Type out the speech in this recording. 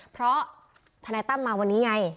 เพราะทนายตั้มมาวันนี้ไง